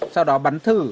sau đó bắn thử